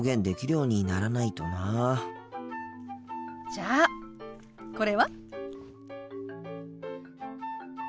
じゃあこれは？